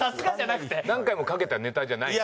何回もかけたネタじゃないんだ。